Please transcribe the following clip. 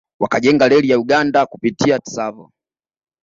Wakajenga reli ya Uganda kupitia Tsavo